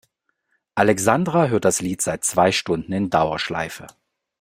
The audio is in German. Alexandra hört das Lied seit zwei Stunden in Dauerschleife.